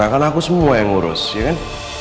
mona kan aku semua yang ngurus ya kan